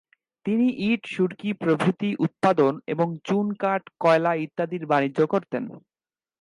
তিনি ইট-সুরকি প্রভৃতি উৎপাদন এবং চুন, কাঠ, কয়লা ইত্যাদির বাণিজ্য করতেন।